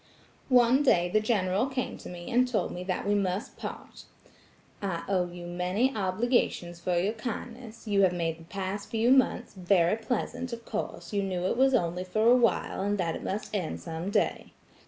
"One day the General came to me and told me that we must part. 'I owe you many obligations for your kindness. You have made the past few months very pleasant; of course you knew it was only for awhile, and that it must end some day.